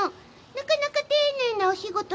なかなか丁寧なお仕事なの。